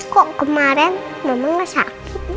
kok kemarin mama gak sakit